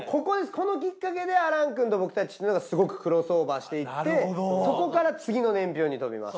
このきっかけで亜嵐くんと僕たちっていうのがすごくクロスオーバーしていってそこから次の年表に飛びます。